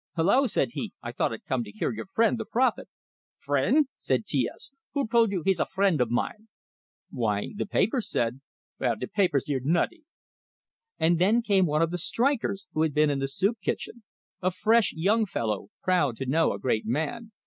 "Hello!" said he. "I thought I'd come to hear your friend the prophet." "Friend?" said T S. "Who told you he's a friend o' mine?" "Why, the papers said " "Vell, de papers 're nutty!" And then came one of the strikers who had been in the soup kitchen a fresh young fellow, proud to know a great man.